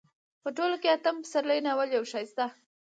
په ټوله کې اتم پسرلی ناول يو ښايسته